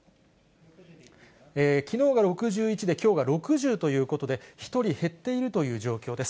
きのうが６１で、きょうが６０ということで、１人減っているという状況です。